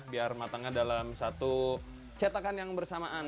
biar matangnya dalam satu cetakan yang bersamaan